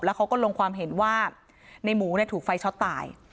เขาก็ลงความเห็นว่าในหมูถูกไฟช็อตตาย